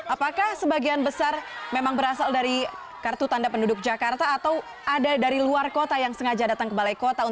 apakah sebagian besar memang berasal dari kartu tanda penduduk jakarta atau ada dari luar kota yang sengaja datang ke balai kota